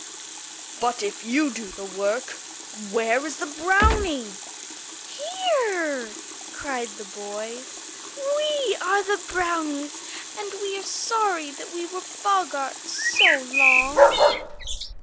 "But if you do the work, where is the brownie?" "Here," cried the boys; "we are the brownies, and we are sorry that we were boggarts so long."